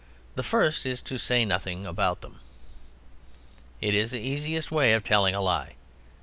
The first is to say nothing about them. It is the easiest way of telling a lie.